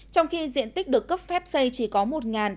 trong khi diện tích được cấp phép xây chỉ có một ba trăm linh m hai